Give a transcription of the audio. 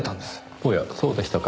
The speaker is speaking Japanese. おやそうでしたか。